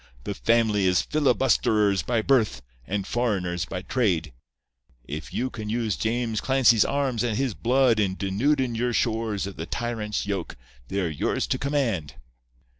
The family is filibusterers by birth, and foreigners by trade. If you can use James Clancy's arms and his blood in denudin' your shores of the tyrant's yoke they're yours to command.